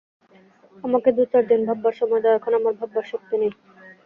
আমাকে দু-চার দিন ভাববার সময় দাও, এখন আমার ভাববার শক্তি নেই।